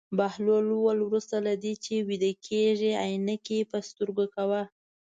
بهلول وویل: وروسته له دې چې ویده کېږې عینکې په سترګو کوه.